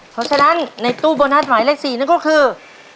เพราะฉะนั้นในตู้โบนัสหลังตู้หมายเลข๔นั่นคือ